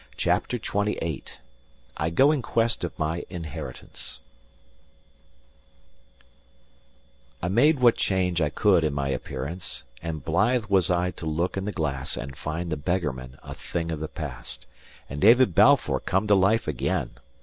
CHAPTER XXVIII I GO IN QUEST OF MY INHERITANCE I made what change I could in my appearance; and blithe was I to look in the glass and find the beggarman a thing of the past, and David Balfour come to life again.